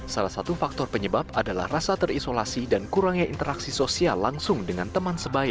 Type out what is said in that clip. salah satu faktor penyebab adalah rasa terisolasi dan kurangnya interaksi sosial langsung dengan teman sebaya